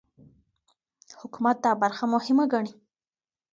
حکومت دا برخه مهمه ګڼي.